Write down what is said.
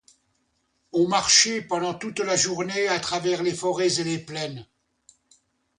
On marchait pendant toute la journée à travers les forêts et les plaines.